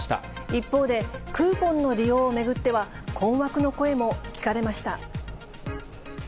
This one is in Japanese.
一方で、クーポンの利用を巡っては、困惑の声も聞かれました。